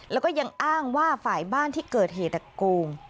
แล้วก็ยังอ้างว่าฝ่ายบ้านที่เกิดเหตุโกง